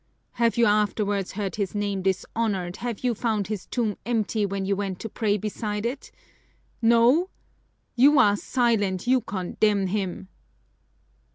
Have you afterwards heard his name dishonored, have you found his tomb empty when you went to pray beside it? No? You are silent, you condemn him!"